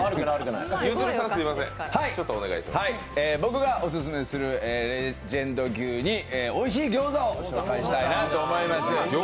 僕がオススメするレジェンド級においしい餃子を紹介したいと思います。